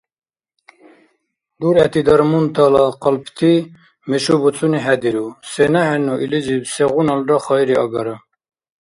Дургӏети дармунтала къалпти мешубуцуни хӏедиру, сенахӏенну илизиб сегъуналра хайри агара.